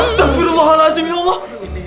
astaghfirullahaladzim ya allah